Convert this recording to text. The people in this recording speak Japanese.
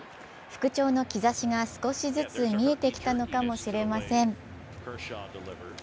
復調の兆しが少しずつ見えてきたのかもしれません。